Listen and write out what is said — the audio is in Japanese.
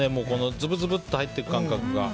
ずぶずぶっと入っていく感覚が。